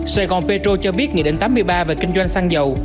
sài gòn petro cho biết nghị định tám mươi ba về kinh doanh xăng dầu